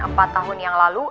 empat tahun yang lalu